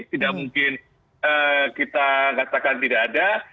tidak mungkin kita katakan tidak ada